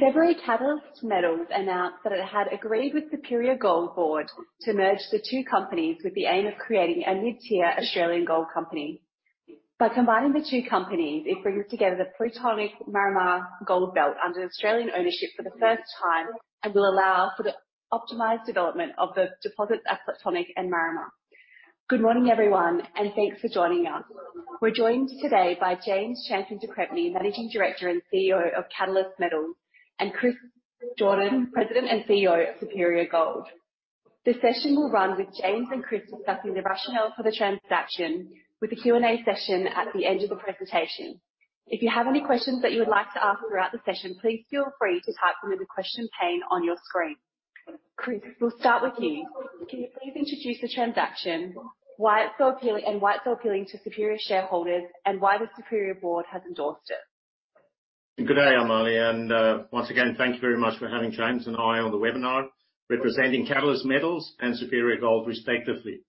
In February, Catalyst Metals announced that it had agreed with Superior Gold Board to merge the two companies with the aim of creating a mid-tier Australian gold company. By combining the two companies, it brings together the Plutonic-Marymia Gold Belt under Australian ownership for the first time, and will allow for the optimized development of the deposits at Plutonic and Marymia. Good morning, everyone, and thanks for joining us. We're joined today by James Champion de Crespigny, Managing Director and CEO of Catalyst Metals, and Chris Jordaan, President and CEO of Superior Gold. The session will run with James and Chris discussing the rationale for the transaction, with a Q&A session at the end of the presentation. If you have any questions that you would like to ask throughout the session, please feel free to type them in the question pane on your screen. Chris, we'll start with you. Can you please introduce the transaction, why it's so appealing, and why it's so appealing to Superior shareholders and why the Superior board has endorsed it? Good day, Amalie, once again, thank you very much for having James and I on the webinar, representing Catalyst Metals and Superior Gold, respectively.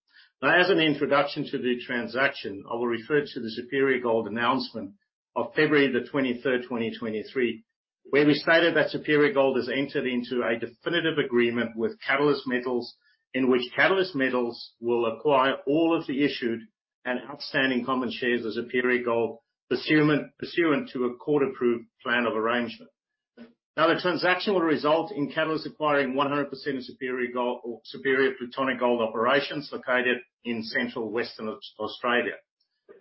As an introduction to the transaction, I will refer to the Superior Gold announcement of February 23, 2023, where we stated that Superior Gold has entered into a definitive agreement with Catalyst Metals, in which Catalyst Metals will acquire all of the issued and outstanding common shares of Superior Gold, pursuant to a court-approved plan of arrangement. The transaction will result in Catalyst acquiring 100% of Superior Gold or Superior Plutonic Gold Operations located in central Western Australia.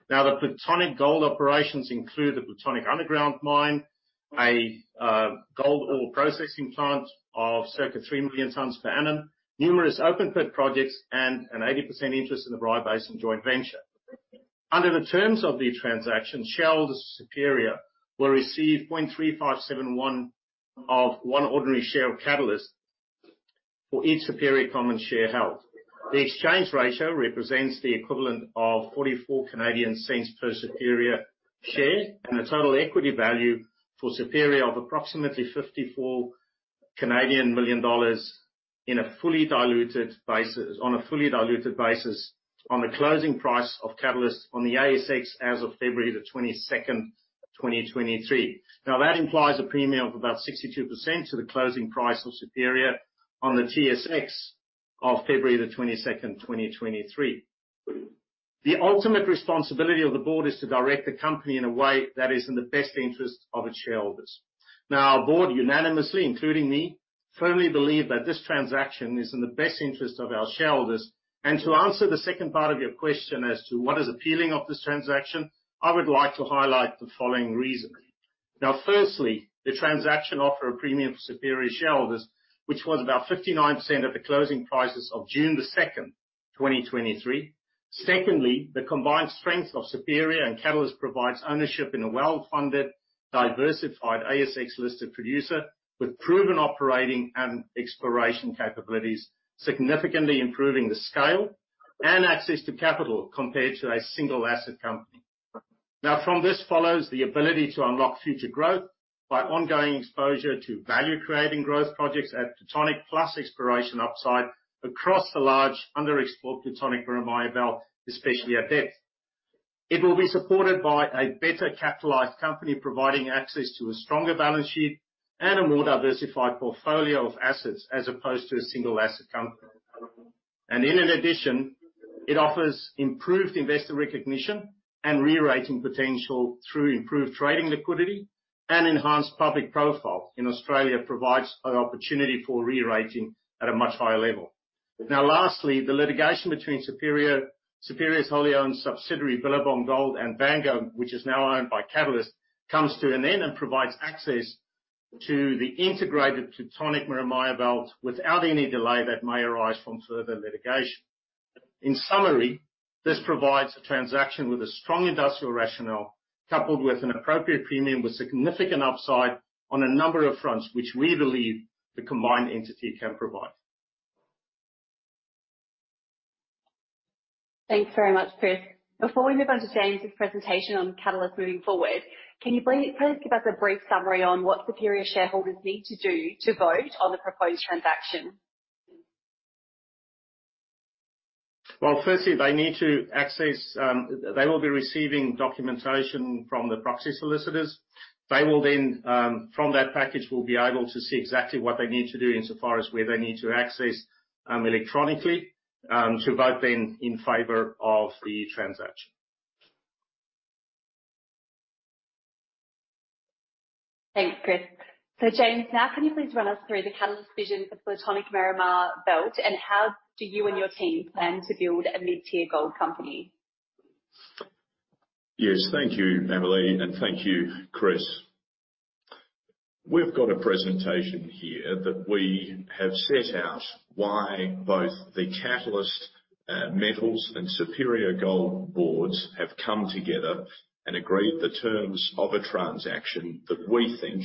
The Plutonic Gold Operations include the Plutonic underground mine, a gold ore processing plant of circa three million tons per annum, numerous open pit projects, and an 80% interest in the Bryah Basin joint venture. Under the terms of the transaction, shareholders of Superior will receive 0.3571 of one ordinary share of Catalyst for each Superior common share held. The exchange ratio represents the equivalent of 0.44 per Superior share, and a total equity value for Superior of approximately 54 million dollars on a fully diluted basis, on the closing price of Catalyst on the ASX, as of February 22, 2023. That implies a premium of about 62% to the closing price of Superior on the TSX of February 22, 2023. The ultimate responsibility of the board is to direct the company in a way that is in the best interest of its shareholders. Our board unanimously, including me, firmly believe that this transaction is in the best interest of our shareholders. To answer the second part of your question as to what is appealing of this transaction, I would like to highlight the following reasons. Now, firstly, the transaction offer a premium for Superior Gold shareholders, which was about 59% of the closing prices of June 2, 2023. Secondly, the combined strength of Superior Gold and Catalyst Metals provides ownership in a well-funded, diversified ASX-listed producer with proven operating and exploration capabilities, significantly improving the scale and access to capital compared to a single asset company. Now, from this follows the ability to unlock future growth by ongoing exposure to value-creating growth projects at Plutonic, plus exploration upside across the large underexplored Plutonic-Marymia Gold Belt, especially at depth. It will be supported by a better capitalized company, providing access to a stronger balance sheet and a more diversified portfolio of assets, as opposed to a single asset company. In addition, it offers improved investor recognition and re-rating potential through improved trading liquidity and enhanced public profile in Australia, provides an opportunity for re-rating at a much higher level. Lastly, the litigation between Superior's wholly owned subsidiary, Billabong Gold, and Vango, which is now owned by Catalyst, comes to an end and provides access to the integrated Plutonic-Marymia Gold Belt without any delay that may arise from further litigation. Summary, this provides a transaction with a strong industrial rationale, coupled with an appropriate premium, with significant upside on a number of fronts, which we believe the combined entity can provide. Thanks very much, Chris. Before we move on to James' presentation on Catalyst moving forward, can you please give us a brief summary on what Superior shareholders need to do to vote on the proposed transaction? Firstly, they need to access. They will be receiving documentation from the proxy solicitors. They will then, from that package, will be able to see exactly what they need to do in so far as where they need to access electronically to vote then in favor of the transaction. Thanks, Chris. James, now can you please run us through the Catalyst vision for Plutonic-Marymia Belt, and how do you and your team plan to build a mid-tier gold company? Thank you, Amalie, and thank you, Chris. We've got a presentation here that we have set out why both the Catalyst Metals and Superior Gold boards have come together and agreed the terms of a transaction that we think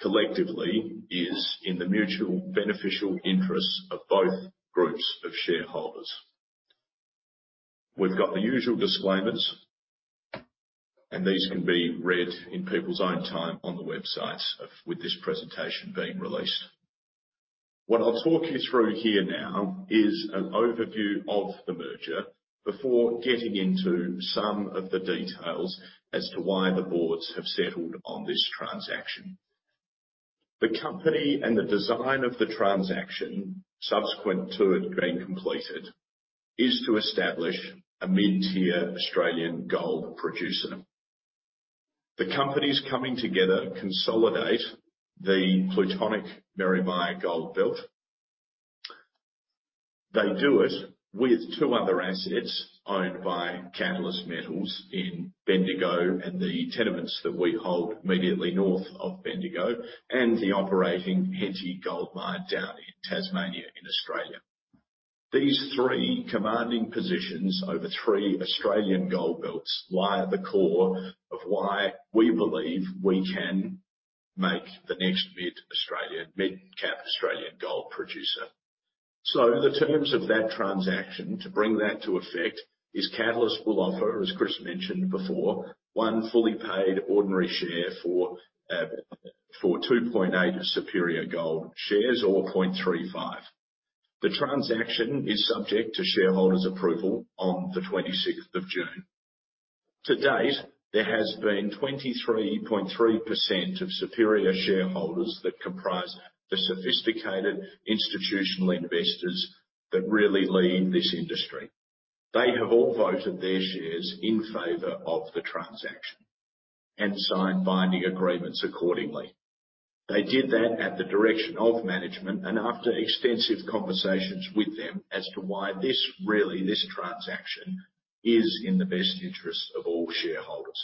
collectively is in the mutual beneficial interests of both groups of shareholders. We've got the usual disclaimers. These can be read in people's own time on the website with this presentation being released... What I'll talk you through here now is an overview of the merger before getting into some of the details as to why the boards have settled on this transaction. The company and the design of the transaction, subsequent to it being completed, is to establish a mid-tier Australian gold producer. The companies coming together consolidate the Plutonic-Marymia Gold Belt. They do it with two other assets owned by Catalyst Metals in Bendigo, and the tenements that we hold immediately north of Bendigo, and the operating Henty Gold Mine down in Tasmania, in Australia. These three commanding positions over three Australian gold belts lie at the core of why we believe we can make the next mid-Australian, mid-cap Australian gold producer. The terms of that transaction, to bring that to effect, is Catalyst will offer, as Chris mentioned before, one fully paid ordinary share for 2.8 Superior Gold shares or 0.35. The transaction is subject to shareholders' approval on the 26th of June. To date, there has been 23.3% of Superior shareholders that comprise the sophisticated institutional investors that really lead this industry. They have all voted their shares in favor of the transaction and signed binding agreements accordingly. They did that at the direction of management and after extensive conversations with them as to why this really, this transaction, is in the best interest of all shareholders.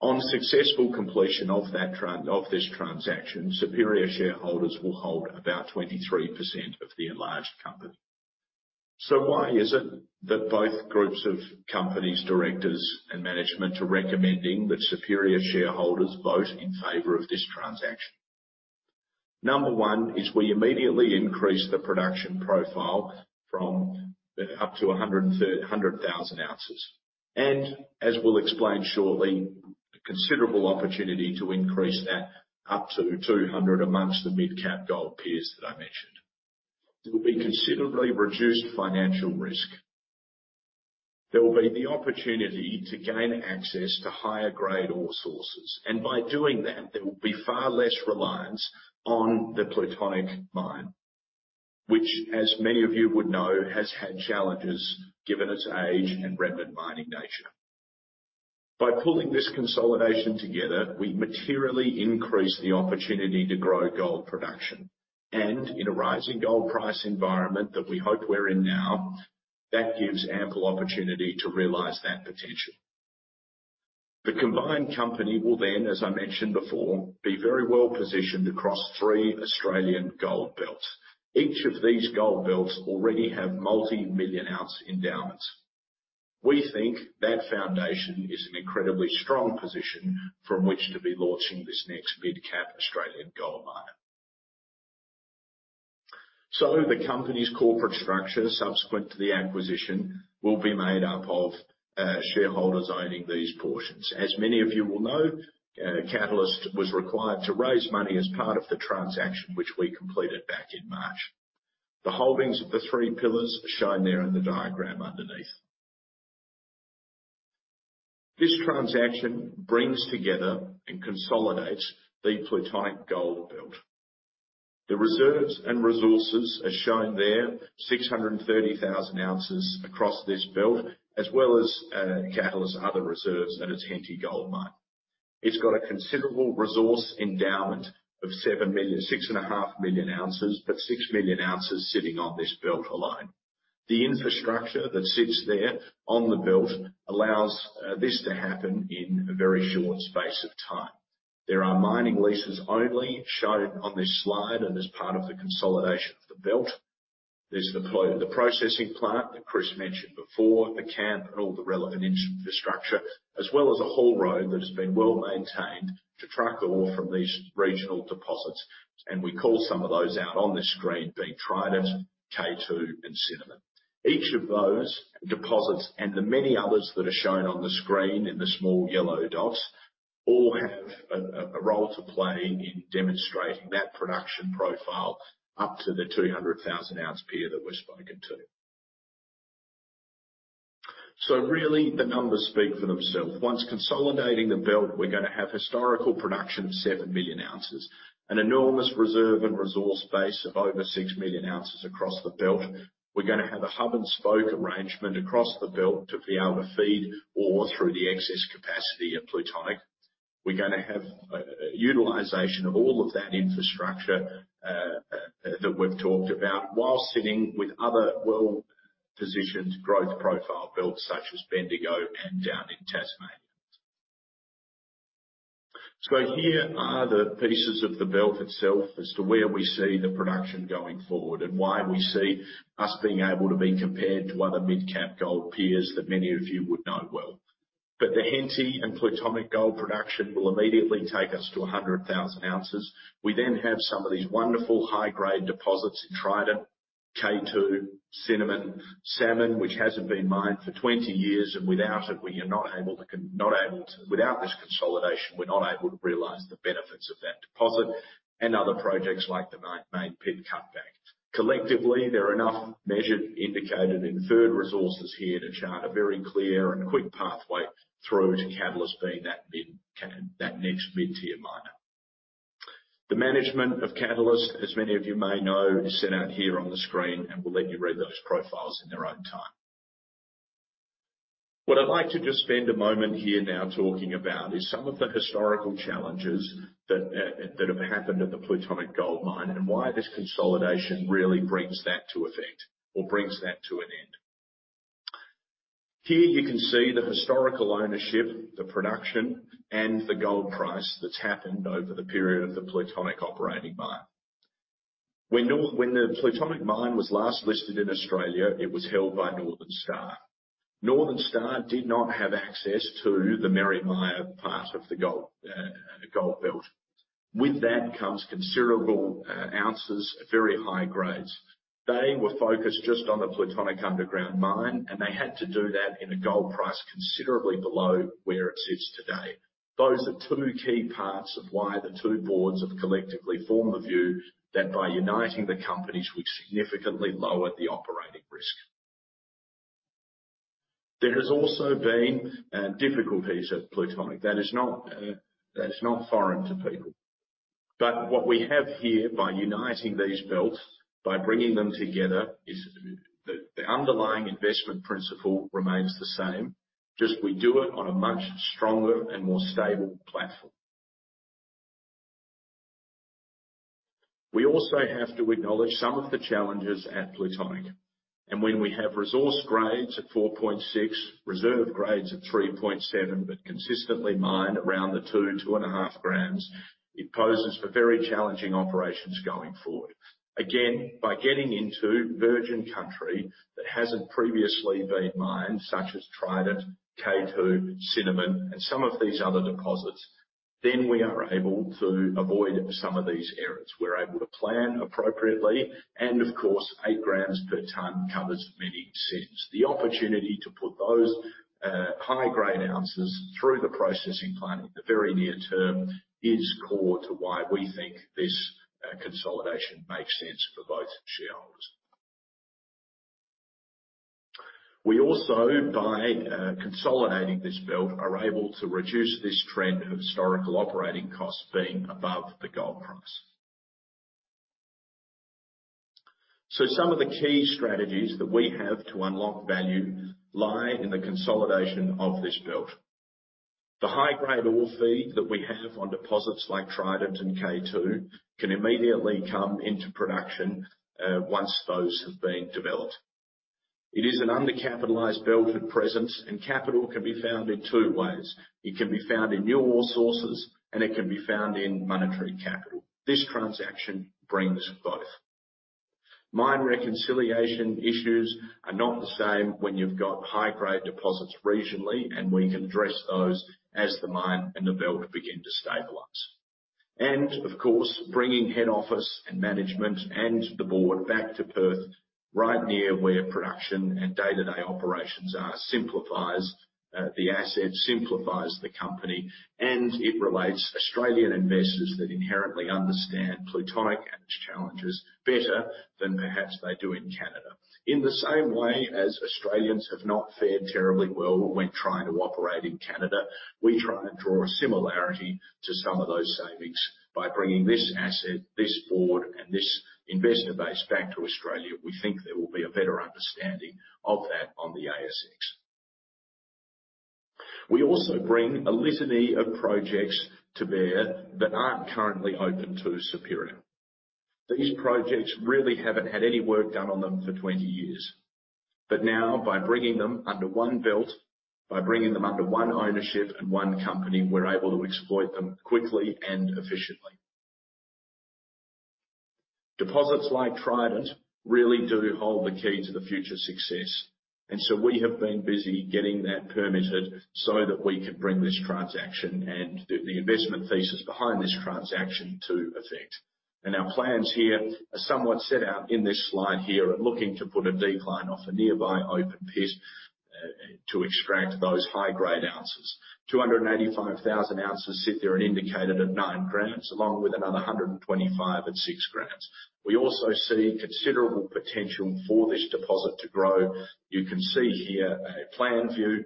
On successful completion of this transaction, Superior shareholders will hold about 23% of the enlarged company. Why is it that both groups of companies, directors, and management, are recommending that Superior shareholders vote in favor of this transaction? Number one is we immediately increase the production profile from, up to 100,000 ounces, and as we'll explain shortly, a considerable opportunity to increase that up to 200,000 amongst the mid-cap gold peers that I mentioned. There will be considerably reduced financial risk. There will be the opportunity to gain access to higher-grade ore sources. By doing that, there will be far less reliance on the Plutonic mine, which, as many of you would know, has had challenges given its age and remnant mining nature. By pulling this consolidation together, we materially increase the opportunity to grow gold production. In a rising gold price environment that we hope we're in now, that gives ample opportunity to realize that potential. The combined company will, as I mentioned before, be very well-positioned across three Australian gold belts. Each of these gold belts already have multi-million-ounce endowments. We think that foundation is an incredibly strong position from which to be launching this next mid-cap Australian gold mine. The company's corporate structure, subsequent to the acquisition, will be made up of shareholders owning these portions. As many of you will know, Catalyst was required to raise money as part of the transaction, which we completed back in March. The holdings of the three pillars are shown there in the diagram underneath. This transaction brings together and consolidates the Plutonic gold belt. The reserves and resources are shown there, 630,000 ounces across this belt, as well as, Catalyst's other reserves at its Henty Gold Mine. It's got a considerable resource endowment of seven million, 6.5 million ounces, but six million ounces sitting on this belt alone. The infrastructure that sits there on the belt allows this to happen in a very short space of time. There are mining leases only shown on this slide, and as part of the consolidation of the belt. There's the processing plant that Chris mentioned before, the camp, and all the relevant infrastructure, as well as a haul road that has been well-maintained to track the ore from these regional deposits. We call some of those out on this screen, being Trident, K2, and Cinnamon. Each of those deposits, and the many others that are shown on the screen in the small yellow dots, all have a role to play in demonstrating that production profile up to the 200,000 ounce peer that we've spoken to. Really, the numbers speak for themselves. Once consolidating the belt, we're gonna have historical production of seven million ounces, an enormous reserve and resource base of over six million ounces across the belt. We're gonna have a hub-and-spoke arrangement across the belt to be able to feed ore through the excess capacity at Plutonic. We're gonna have utilization of all of that infrastructure that we've talked about while sitting with other well-positioned growth profile belts, such as Bendigo and down in Tasmania. Here are the pieces of the belt itself as to where we see the production going forward, and why we see us being able to be compared to other mid-cap gold peers that many of you would know well. The Henty Gold Mine and Plutonic gold production will immediately take us to 100,000 ounces. We have some of these wonderful high-grade deposits in Trident, K2, Cinnamon, Salmon, which hasn't been mined for 20 years, and without it, we are not able to without this consolidation, we're not able to realize the benefits of that deposit and other projects like the Main Pit Cutback. Collectively, there are enough measured, indicated, and inferred resources here to chart a very clear and quick pathway through to Catalyst being that next mid-tier miner. The management of Catalyst, as many of you may know, is set out here on the screen. We'll let you read those profiles in their own time. What I'd like to just spend a moment here now talking about is some of the historical challenges that have happened at the Plutonic Gold Mine. Why this consolidation really brings that to effect or brings that to an end. Here, you can see the historical ownership, the production, and the gold price that's happened over the period of the Plutonic operating mine. When the Plutonic mine was last listed in Australia, it was held by Northern Star. Northern Star did not have access to the Marymia part of the gold belt. With that comes considerable ounces at very high grades. They were focused just on the Plutonic underground gold mine, and they had to do that in a gold price considerably below where it sits today. Those are two key parts of why the two boards have collectively formed the view that by uniting the companies, we significantly lowered the operating risk. There has also been difficulties at Plutonic, that is not, that is not foreign to people. What we have here by uniting these belts, by bringing them together, is the underlying investment principle remains the same, just we do it on a much stronger and more stable platform. We also have to acknowledge some of the challenges at Plutonic. When we have resource grades at 4.6, reserve grades at 3.7, but consistently mined around the 2.5 grams, it poses for very challenging operations going forward. Again, by getting into virgin country that hasn't previously been mined, such as Trident, K2, Cinnamon, and some of these other deposits, then we are able to avoid some of these errors. We're able to plan appropriately, and of course, eight grams per tonne covers many sins. The opportunity to put those high-grade ounces through the processing plant in the very near term is core to why we think this consolidation makes sense for both shareholders. We also, by consolidating this belt, are able to reduce this trend of historical operating costs being above the gold price. Some of the key strategies that we have to unlock value lie in the consolidation of this belt. The high-grade ore feed that we have on deposits like Trident and K2 can immediately come into production, once those have been developed. It is an undercapitalized belt at presence, and capital can be found in two ways. It can be found in new ore sources, and it can be found in monetary capital. This transaction brings both. Mine reconciliation issues are not the same when you've got high-grade deposits regionally, and we can address those as the mine and the belt begin to stabilize. Of course, bringing head office and management and the board back to Perth, right near where production and day-to-day operations are, simplifies the asset, simplifies the company, and it relates Australian investors that inherently understand Plutonic and its challenges better than perhaps they do in Canada. In the same way as Australians have not fared terribly well when trying to operate in Canada, we try and draw a similarity to some of those savings. By bringing this asset, this board, and this investor base back to Australia, we think there will be a better understanding of that on the ASX. We also bring a litany of projects to bear that aren't currently open to Superior. These projects really haven't had any work done on them for 20 years. Now, by bringing them under one belt, by bringing them under one ownership and one company, we're able to exploit them quickly and efficiently. Deposits like Trident really do hold the key to the future success, and so we have been busy getting that permitted so that we can bring this transaction and the investment thesis behind this transaction to effect. Our plans here are somewhat set out in this slide here, are looking to put a decline off a nearby open pit to extract those high-grade ounces. 285,000 ounces sit there and indicated at nine grams, along with another 125 at six grams. We also see considerable potential for this deposit to grow. You can see here a plan view.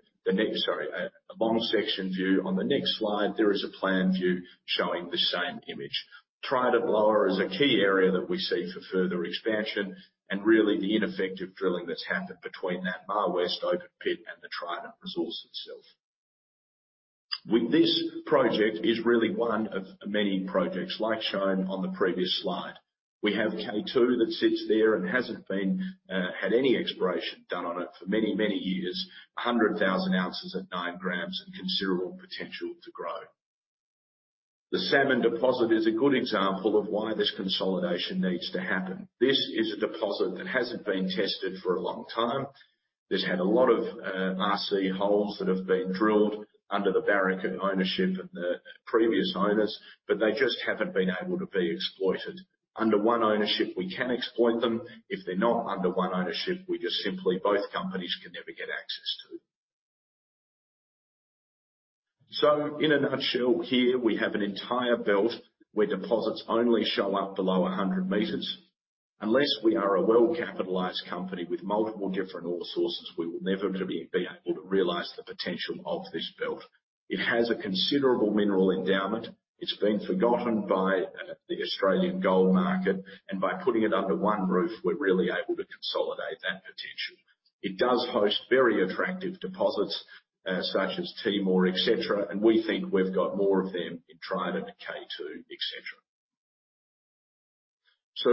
Sorry, a long section view. On the next slide, there is a plan view showing the same image. Trident Lower is a key area that we see for further expansion, and really, the ineffective drilling that's happened between that Marwest open pit and the Trident resource itself. With this project, is really one of many projects like shown on the previous slide. We have K2 that sits there and hasn't been had any exploration done on it for many, many years. 100,000 ounces at nine grams and considerable potential to grow. The Salmon deposit is a good example of why this consolidation needs to happen. This is a deposit that hasn't been tested for a long time. It's had a lot of RC holes that have been drilled under the Barrick ownership and the previous owners, but they just haven't been able to be exploited. Under one ownership, we can exploit them. If they're not under one ownership, we just simply, both companies can never get access to. In a nutshell, here, we have an entire belt where deposits only show up below 100 meters. Unless we are a well-capitalized company with multiple different ore sources, we will never be able to realize the potential of this belt. It has a considerable mineral endowment. It's been forgotten by the Australian gold market, and by putting it under one roof, we're really able to consolidate that potential. It does host very attractive deposits, such as Timor, et cetera, and we think we've got more of them in Trident, K2, et cetera.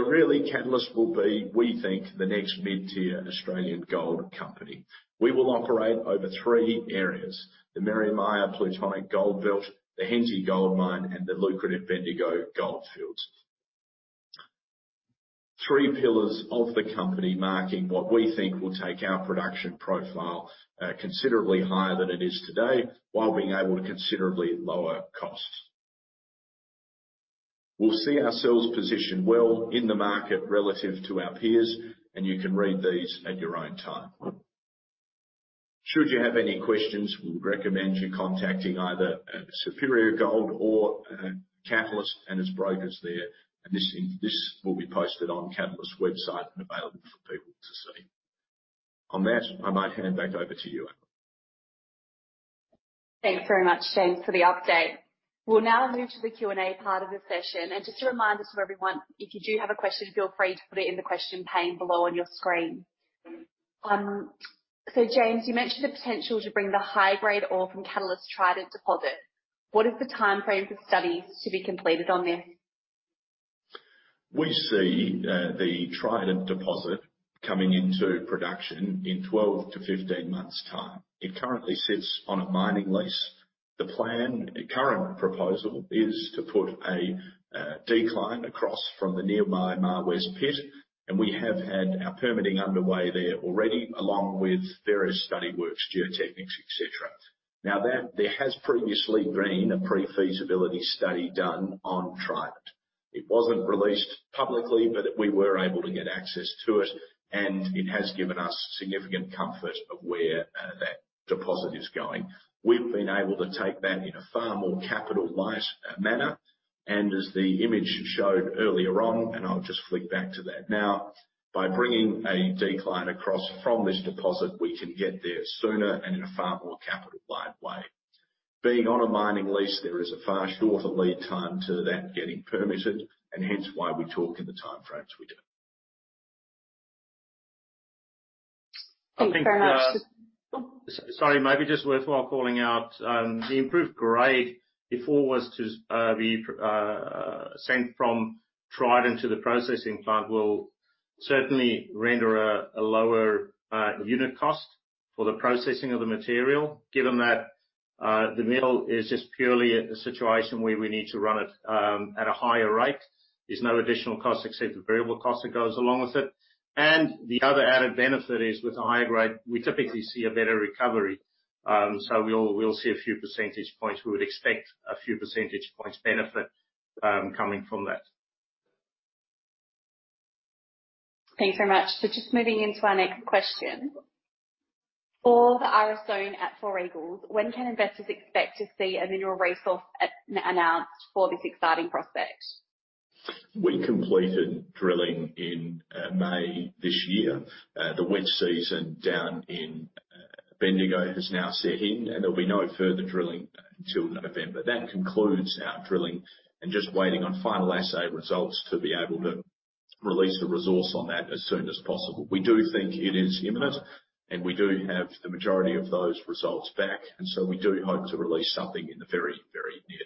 Really, Catalyst will be, we think, the next mid-tier Australian gold company. We will operate over three areas: the Marymia Plutonic Gold Belt, the Henty Gold Mine, and the lucrative Bendigo Goldfields. Three pillars of the company, marking what we think will take our production profile considerably higher than it is today, while being able to considerably lower costs. We'll see ourselves positioned well in the market relative to our peers, and you can read these at your own time. Should you have any questions, we would recommend you contacting either Superior Gold or Catalyst and its brokers there, and this will be posted on Catalyst website and available for people to see. On that, I might hand back over to you, Amalie. Thanks very much, James, for the update. We'll now move to the Q&A part of the session. Just a reminder to everyone, if you do have a question, feel free to put it in the question pane below on your screen. So James, you mentioned the potential to bring the high-grade ore from Catalyst's Trident deposit. What is the timeframe for studies to be completed on this? We see the Trident deposit coming into production in 12-15 months' time. It currently sits on a mining lease. The plan, the current proposal, is to put a decline across from the nearby Marwest pit, and we have had our permitting underway there already, along with various study works, geotechnics, et cetera. There has previously been a pre-feasibility study done on Trident. It wasn't released publicly, but we were able to get access to it, and it has given us significant comfort of where that deposit is going. We've been able to take that in a far more capital light manner, and as the image showed earlier on, and I'll just flick back to that. By bringing a decline across from this deposit, we can get there sooner and in a far more capital light way. Being on a mining lease, there is a far shorter lead time to that getting permitted, and hence why we talk in the timeframes we do. Thanks very much. I think, Sorry, maybe just worthwhile calling out, the improved grade before was to be sent from Trident to the processing plant will certainly render a lower unit cost for the processing of the material. Given that, the mill is just purely a situation where we need to run it at a higher rate. There's no additional cost except the variable cost that goes along with it. The other added benefit is, with a higher grade, we typically see a better recovery. We'll see a few percentage points. We would expect a few percentage points benefit, coming from that. Thanks very much. Just moving into our next question. For the RS Zone at Four Eagles, when can investors expect to see a mineral resource, announced for this exciting prospect? We completed drilling in May this year. The wet season down in Bendigo has now set in, and there'll be no further drilling until November. That concludes our drilling, and just waiting on final assay results to be able to release the resource on that as soon as possible. We do think it is imminent, and we do have the majority of those results back, and so we do hope to release something in the very, very near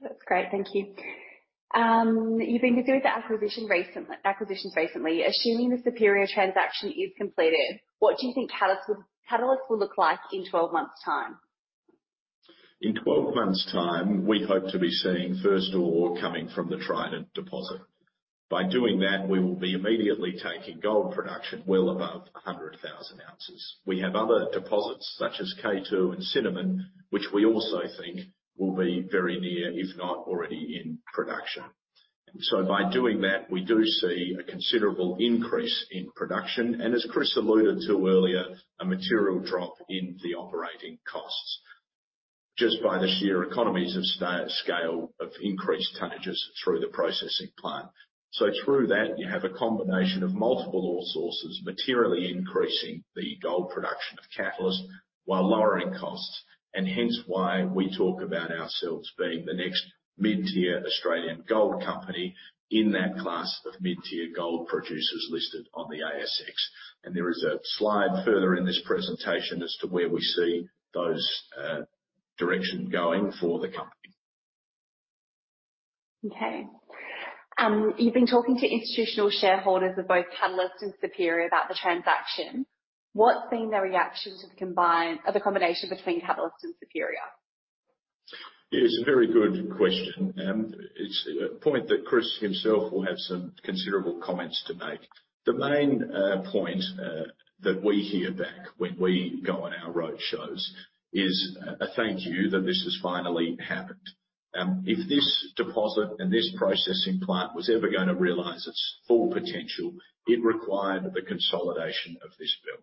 term. That's great. Thank you. You've been busy with acquisitions recently. Assuming the Superior transaction is completed, what do you think Catalyst will look like in 12 months' time? In 12 months' time, we hope to be seeing first ore coming from the Trident deposit. By doing that, we will be immediately taking gold production well above 100,000 ounces. We have other deposits, such as K2 and Cinnamon, which we also think will be very near, if not already in production. By doing that, we do see a considerable increase in production, and as Chris alluded to earlier, a material drop in the operating costs. Just by the sheer economies of scale, of increased tonnages through the processing plant. Through that, you have a combination of multiple ore sources, materially increasing the gold production of Catalyst Metals, while lowering costs, and hence why we talk about ourselves being the next mid-tier Australian gold company in that class of mid-tier gold producers listed on the ASX. There is a slide further in this presentation as to where we see those direction going for the company. Okay. You've been talking to institutional shareholders of both Catalyst and Superior about the transaction. What's been the reaction to the combination between Catalyst and Superior? It's a very good question, and it's a point that Chris himself will have some considerable comments to make. The main point that we hear back when we go on our roadshows is a thank you that this has finally happened. If this deposit and this processing plant was ever gonna realize its full potential, it required the consolidation of this belt.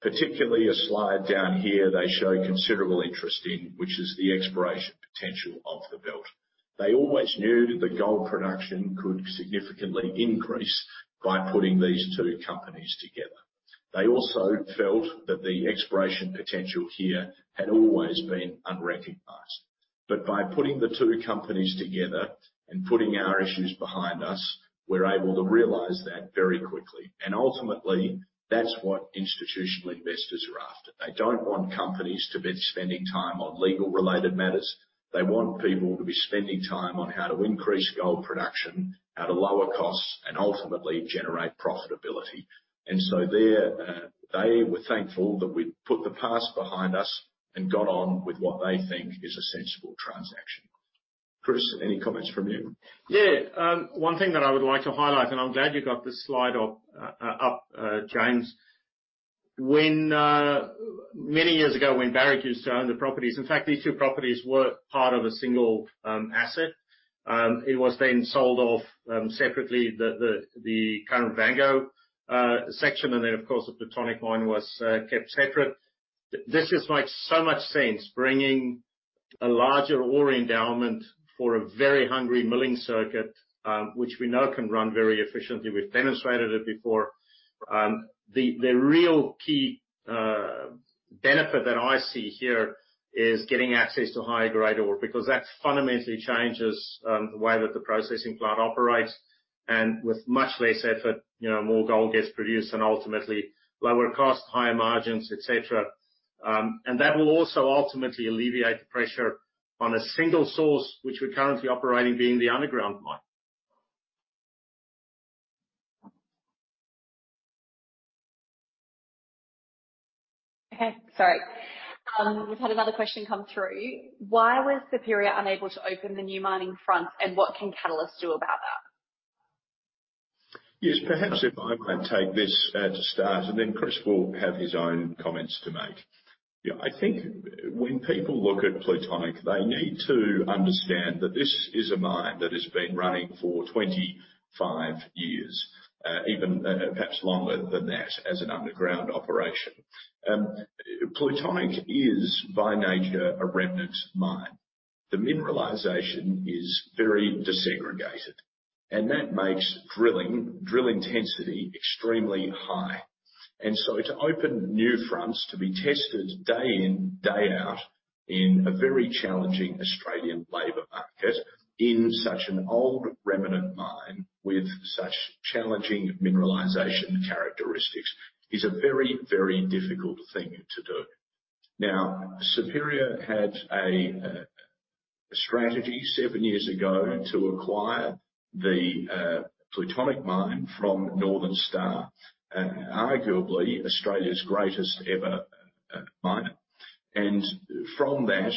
Particularly, a slide down here, they show considerable interest in, which is the exploration potential of the belt. They always knew that the gold production could significantly increase by putting these two companies together. They also felt that the exploration potential here had always been unrecognized. But by putting the two companies together and putting our issues behind us, we're able to realize that very quickly. Ultimately, that's what institutional investors are after. They don't want companies to be spending time on legal-related matters. They want people to be spending time on how to increase gold production at a lower cost and ultimately generate profitability. They were thankful that we put the past behind us and got on with what they think is a sensible transaction. Chris, any comments from you? Yeah. One thing that I would like to highlight, and I'm glad you got this slide up, James. When many years ago, when Barrick used to own the properties, in fact, these two properties were part of a single asset. It was then sold off separately, the current Vango section, and then, of course, the Plutonic mine was kept separate. This just makes so much sense, bringing a larger ore endowment for a very hungry milling circuit, which we know can run very efficiently. We've demonstrated it before. The real key benefit that I see here is getting access to high-grade ore, because that fundamentally changes the way that the processing plant operates, and with much less effort, you know, more gold gets produced and ultimately lower cost, higher margins, et cetera. That will also ultimately alleviate the pressure on a single source, which we're currently operating, being the underground mine. Sorry. We've had another question come through. Why was Superior unable to open the new mining front, and what can Catalyst do about that? Yes, perhaps if I might take this to start, then Chris will have his own comments to make. Yeah, I think when people look at Plutonic, they need to understand that this is a mine that has been running for 25 years, even perhaps longer than that, as an underground operation. Plutonic is, by nature, a remnant mine. The mineralization is very desegregated, that makes drilling, drill intensity extremely high. So to open new fronts, to be tested day in, day out, in a very challenging Australian labor market, in such an old, remnant mine, with such challenging mineralization characteristics, is a very, very difficult thing to do. Now, Superior had a strategy seven years ago to acquire the Plutonic mine from Northern Star, arguably Australia's greatest ever mine. From that,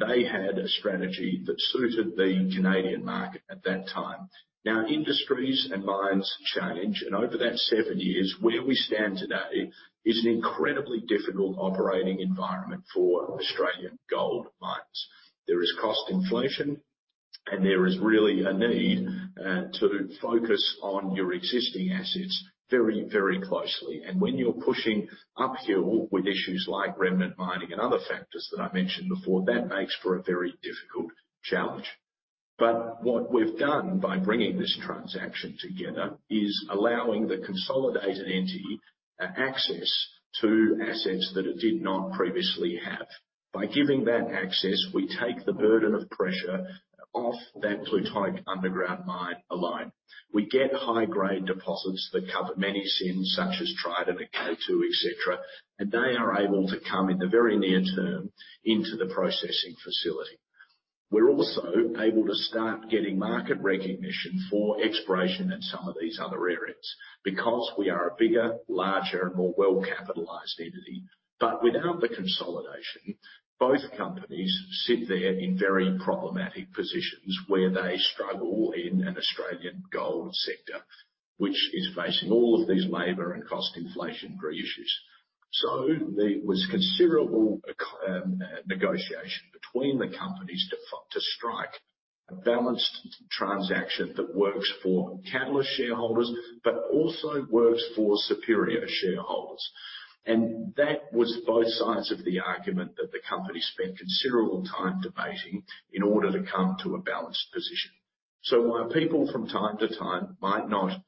they had a strategy that suited the Canadian market at that time. Now, industries and mines change, and over that seven years, where we stand today is an incredibly difficult operating environment for Australian gold mines. There is cost inflation, and there is really a need to focus on your existing assets very, very closely. When you're pushing uphill with issues like remnant mining and other factors that I mentioned before, that makes for a very difficult challenge. What we've done by bringing this transaction together is allowing the consolidated entity, a access to assets that it did not previously have. By giving that access, we take the burden of pressure off that Plutonic underground mine alone. We get high-grade deposits that cover many sins, such as Trident and K2, et cetera, and they are able to come in the very near term into the processing facility. We're also able to start getting market recognition for exploration in some of these other areas, because we are a bigger, larger, and more well-capitalized entity. Without the consolidation, both companies sit there in very problematic positions, where they struggle in an Australian gold sector, which is facing all of these labor and cost inflation issues. There was considerable negotiation between the companies to strike a balanced transaction that works for Catalyst shareholders, but also works for Superior shareholders. That was both sides of the argument that the company spent considerable time debating in order to come to a balanced position. While people from time to time might not,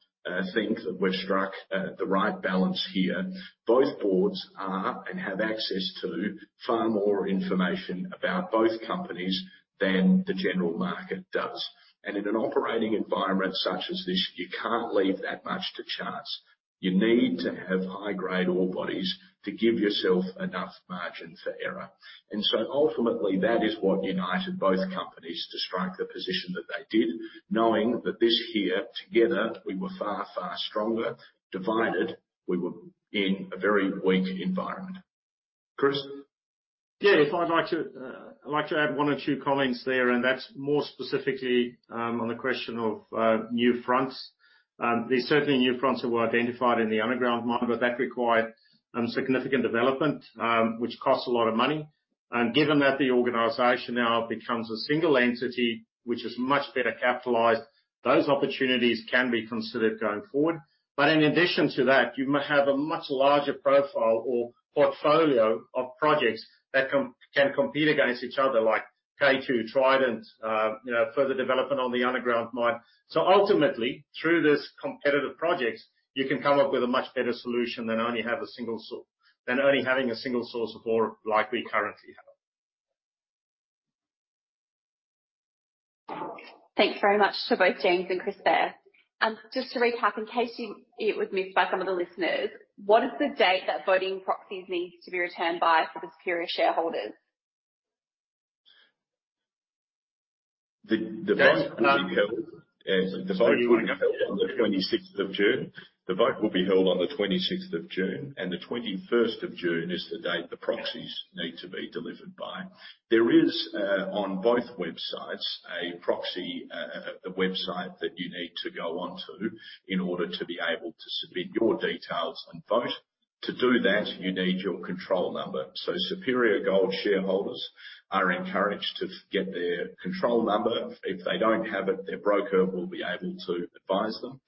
think that we've struck, the right balance here, both boards are, and have access to, far more information about both companies than the general market does. In an operating environment such as this, you can't leave that much to chance. You need to have high-grade ore bodies to give yourself enough margin for error. Ultimately, that is what united both companies to strike the position that they did, knowing that this here, together, we were far, far stronger. Divided, we were in a very weak environment.... Chris? If I'd like to add one or two comments there, and that's more specifically on the question of new fronts. There's certainly new fronts that were identified in the underground mine, but that required significant development, which costs a lot of money. Given that the organization now becomes a single entity, which is much better capitalized, those opportunities can be considered going forward. In addition to that, you might have a much larger profile or portfolio of projects that can compete against each other, like K2, Trident, you know, further development on the underground mine. Ultimately, through this competitive projects, you can come up with a much better solution than only having a single source of ore like we currently have. Thanks very much to both James and Chris there. Just to recap, in case it was missed by some of the listeners, what is the date that voting proxies needs to be returned by for the Superior shareholders? The vote will be held, and the vote will be held on the 26th of June. The vote will be held on the 26th of June, and the 21st of June is the date the proxies need to be delivered by. There is on both websites, a proxy, a website that you need to go on to in order to be able to submit your details and vote. To do that, you need your control number. Superior Gold shareholders are encouraged to get their control number. If they don't have it, their broker will be able to advise them,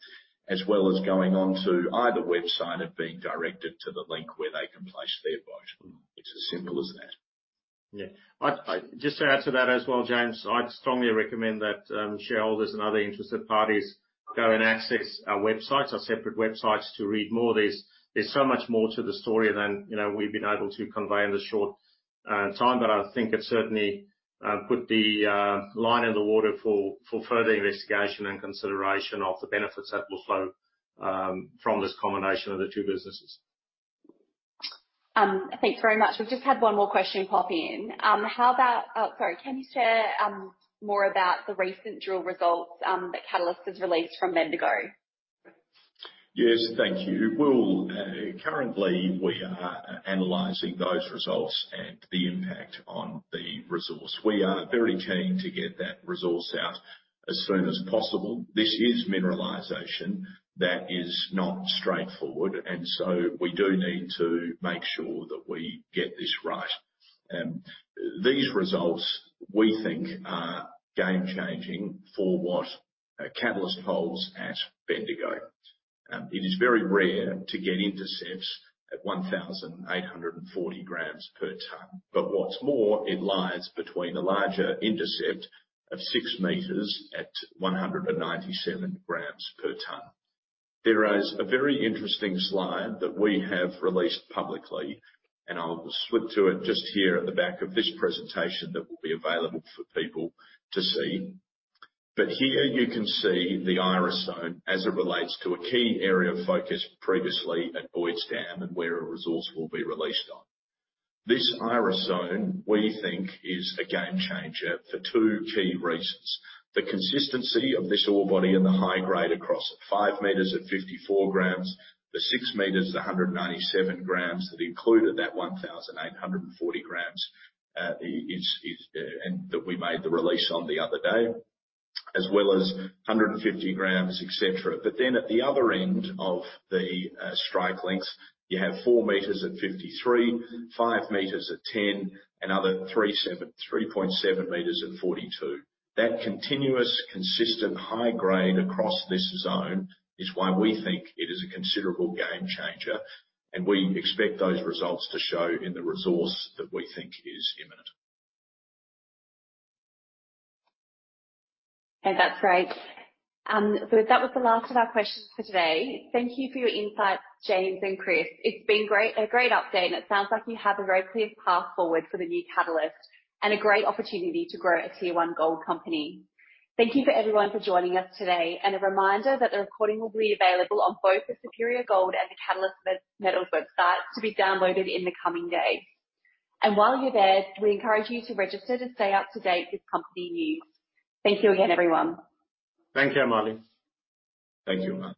as well as going on to either website and being directed to the link where they can place their vote. It's as simple as that. Yeah. Just to add to that as well, James, I'd strongly recommend that shareholders and other interested parties go and access our websites, our separate websites, to read more. There's so much more to the story than, you know, we've been able to convey in the short time, I think it certainly put the line in the water for further investigation and consideration of the benefits that will flow from this combination of the two businesses. Thanks very much. We've just had one more question pop in. Sorry, can you share more about the recent drill results that Catalyst has released from Bendigo? Yes, thank you. We'll. Currently, we are analyzing those results and the impact on the resource. We are very keen to get that resource out as soon as possible. This is mineralization that is not straightforward. We do need to make sure that we get this right. These results, we think, are game-changing for what Catalyst holds at Bendigo. It is very rare to get intercepts at 1,840 grams per ton. What's more, it lies between a larger intercept of six meters at 197 grams per ton. There is a very interesting slide that we have released publicly. I'll slip to it just here at the back of this presentation, that will be available for people to see. Here you can see the Iris Zone as it relates to a key area of focus previously at Boyd's Dam and where a resource will be released on. This Iris Zone, we think, is a game changer for two key reasons: the consistency of this ore body and the high grade across it, five meters at 54 grams, the six meters at 197 grams that included that 1,840 grams, and that we made the release on the other day, as well as 150 grams, et cetera. At the other end of the strike lengths, you have four meters at 53, five meters at 10, another 3.7 meters at 42. That continuous, consistent, high grade across this zone is why we think it is a considerable game changer. We expect those results to show in the resource that we think is imminent. That's great. That was the last of our questions for today. Thank you for your insights, James and Chris. It's been great, a great update, and it sounds like you have a very clear path forward for the new Catalyst and a great opportunity to grow a tier one gold company. Thank you for everyone for joining us today. A reminder that the recording will be available on both the Superior Gold and the Catalyst Metals website to be downloaded in the coming days. While you're there, we encourage you to register to stay up to date with company news. Thank you again, everyone. Thank you, Amalie. Thank you, Amalie.